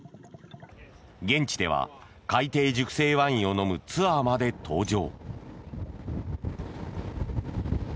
現地では海底熟成ワインを飲むツアーまで登場。